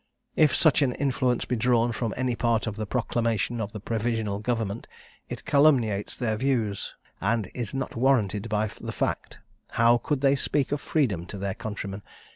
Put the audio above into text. If such an inference be drawn from any part of the proclamation of the Provisional Government, it calumniates their views, and is not warranted by the fact. How could they speak of freedom to their countrymen?